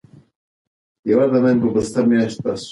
د ښکلې جامې او ظاهري ښکلا سره محبت زیاتېږي.